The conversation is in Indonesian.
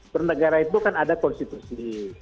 bernegara itu kan ada konstitusi